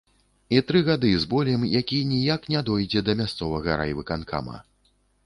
І тры гады з болем, які ніяк не дойдзе да мясцовага райвыканкама.